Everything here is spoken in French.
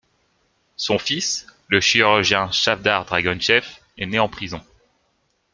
Son fils, le chirurgien Chavdar Dragoychev, est né en prison.